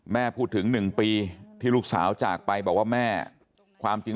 แม่พูดถึง๑ปีที่ลูกสาวจากไปบอกว่าแม่ความจริง